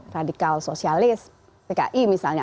radikal sosialis pki misalnya